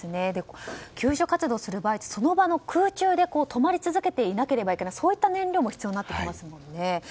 救助活動する場合ってその場の空中で止まり続けていなければいけないそういった燃料も必要になってきますよね。